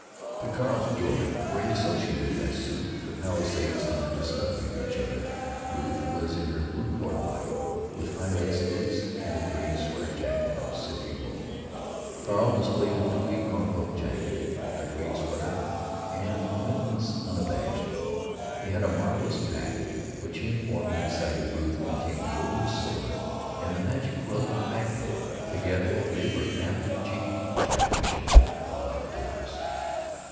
To Carl's joy (for he associated that suit with the Palisades and their discovery of each other), Ruth was in her blue corduroy, with high lace boots and a gray sweater jacket of silky wool. Carl displayed a tweed Norfolk jacket, a great sweater, and mittens unabashed. He had a mysterious pack which, he informed the excited Ruth, contained Roland's sword and the magic rug of Bagdad. Together they were apple cheeked, chattering children of outdoors.